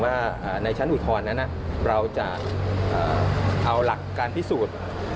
ว่าในชั้นอุทธรณ์นั้นเราจะเอาหลักการพิสูจน์